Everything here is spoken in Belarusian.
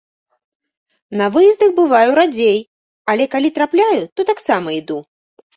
На выездах бываю радзей, але калі трапляю, то таксама іду.